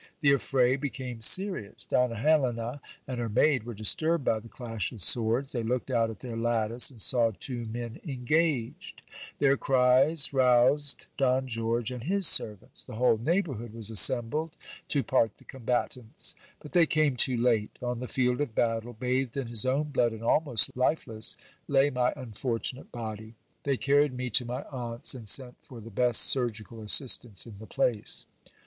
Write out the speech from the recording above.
The affray became serious. Donna Helena and her maid were disturbed by the clash of swords. They looked out at their lattice, and saw two men engaged. HISTORY OF DOX GASTON DE COGOLLOS. 321 Their cries roused Don George and his servants. The whole neighbourhood was assembled to part the combatants. But they came too late : on the field of battle, bathed in his own blood and almost lifeless, lay my unfortunate body. They carried me to my aunt's, and sent for the best surgical assistance in the place.